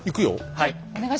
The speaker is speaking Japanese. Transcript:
はい。